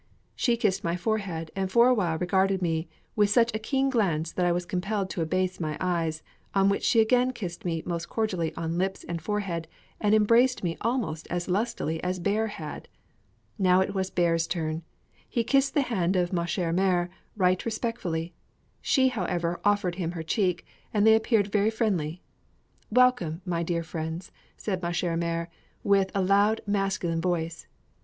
She kissed my forehead, and for a while regarded me with such a keen glance, that I was compelled to abase my eyes, on which she again kissed me most cordially on lips and forehead, and embraced me almost as lustily as Bear had. Now it was Bear's turn; he kissed the hand of ma chère mère right respectfully; she however offered him her cheek, and they appeared very friendly. "Be welcome, my dear friends!" said ma chère mère, with a loud, masculine voice.